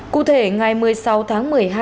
cụ thể ngày một mươi sáu tháng một mươi hai